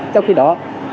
trong khi đó